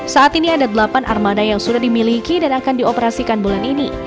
saat ini ada delapan armada yang sudah dimiliki dan akan dioperasikan bulan ini